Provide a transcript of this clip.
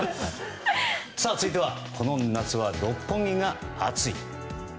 続いてはこの夏は、六本木が熱い！